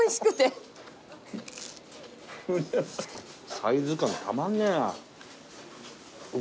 サイズ感たまんねえな。